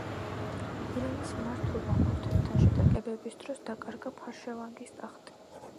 ირანის მმართველმა ქურთებთან შეტაკებების დროს დაკარგა ფარშავანგის ტახტი.